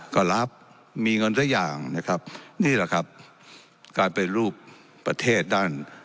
ก็รับมีเงินสักอย่างนะครับนี่แหละครับการเป็นรูปประเทศด้าน